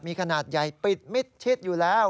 มีขนาดใหญ่ปิดมิดชิดอยู่แล้ว